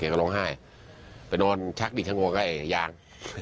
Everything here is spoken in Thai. เกกเขาร้องไห้ไปนอนชักดิ้งช้างอกกับย่าง